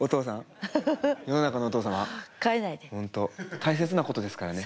本当大切なことですからね。